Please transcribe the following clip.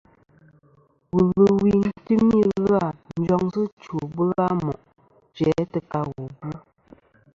Wulwi timi ɨ̀lvɨ-a njoŋsɨ chwò bula mo' jæ tɨ ka wu bvɨ.